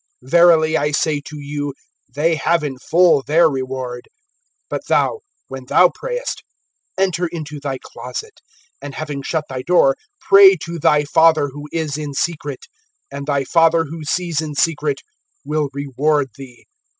Verily I say to you, they have in full their reward. (6)But thou, when thou prayest, enter into thy closet, and having shut thy door, pray to thy Father who is in secret; and thy Father who sees in secret will reward thee.